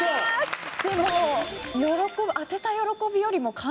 でも喜ぶ当てた喜びよりも。